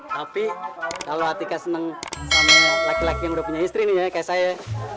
tapi kalau hatika senang sama laki laki yang udah punya istri nih ya kayak saya